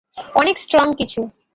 অনেক স্ট্রং কিছু।